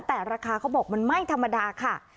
แต่ราคาเขาบอกมันไม่ธรรมดาค่ะ